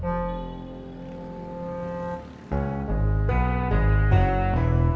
oh dia beneran menro